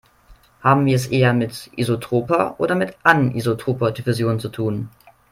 Haben wir es eher mit isotroper oder mit anisotroper Diffusion zu tun?